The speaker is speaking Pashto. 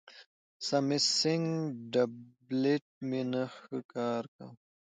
سامسنګ ټابلیټ مې نن ښه کار کاوه.